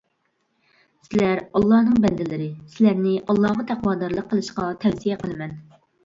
سىلەر ئاللانىڭ بەندىلىرى، سىلەرنى ئاللاغا تەقۋادارلىق قىلىشقا تەۋسىيە قىلىمەن.